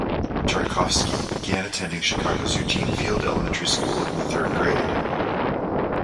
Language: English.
Tartakovsky began attending Chicago's Eugene Field Elementary School in the third grade.